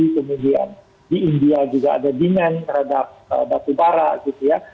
kemudian di india juga ada demand terhadap batu bara gitu ya